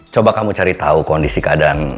coba kamu cari tahu kondisi keadaan